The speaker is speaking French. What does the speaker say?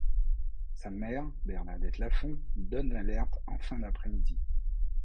Sa mère Bernadette Lafont donne l'alerte en fin d'après-midi.